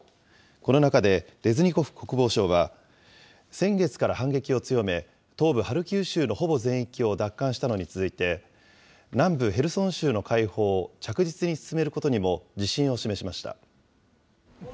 この中で、レズニコフ国防相は、先月から反撃を強め、東部ハルキウ州のほぼ全域を奪還したのに続いて、南部ヘルソン州の解放も着実に進めることにも自信を示しました。